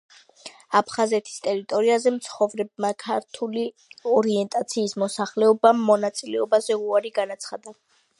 აფხაზეთის ტერიტორიაზე მცხოვრებმა ქართული ორიენტაციის მოსახლეობამ მონაწილეობაზე უარი განაცხადა.